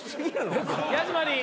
ヤジマリー。